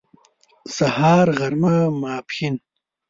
سهار غرمه ماسپښين